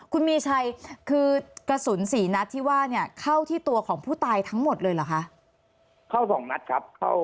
คุณมีชัยคือกระสุนสี่นัดที่เข้าที่ตัวของผู้ตายทั้งหมดเลยเหรอคะ